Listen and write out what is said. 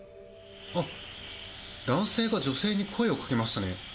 男性が女性に声をかけましたね。